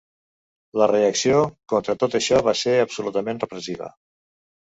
La reacció contra tot això va ser absolutament repressiva.